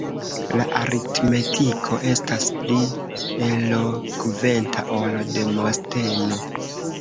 La aritmetiko estas pli elokventa ol Demosteno!